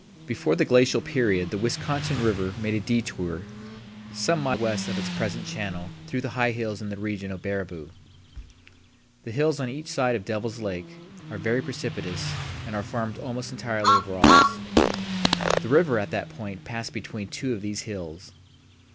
Before the glacial period the Wisconsin River made a detour some miles west of its present channel through the high hills in the region of Baraboo. The hills on each side of Devil's Lake are very precipitous and are formed almost entirely of rocks. The river at that point passed between two of these hills.